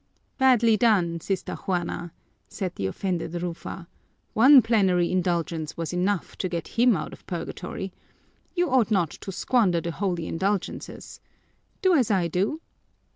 "Badly done, Sister Juana," said the offended Rufa. "One plenary indulgence was enough to get him out of purgatory. You ought not to squander the holy indulgences. Do as I do."